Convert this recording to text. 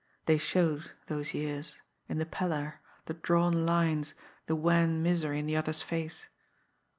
They showed, those years, in the pallor, the drawn lines, the wan misery in the other's face.